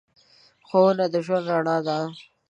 ښوونه د ژوند رڼا ده.